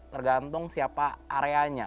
tergantung siapa areanya